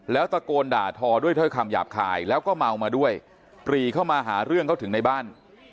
แล้วตะโกนด่าทอด้วยถ้อยคำหยาบคายแล้วก็เมามาด้วยปรีเข้ามาหาเรื่องเขาถึงในบ้าน